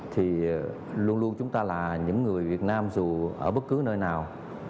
thì luôn luôn chúng ta là những người việt nam dù ở bất cứ nơi nào